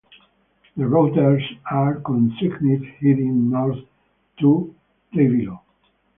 The routes are co-signed heading north to Reivilo.